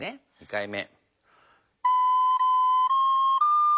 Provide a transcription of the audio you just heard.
２回目。